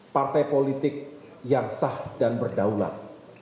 partai politik yang sah dan berdaulat